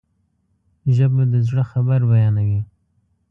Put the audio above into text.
ژبه د زړه خبر بیانوي